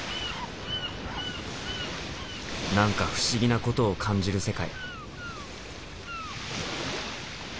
何か不思議なことを感じる世界。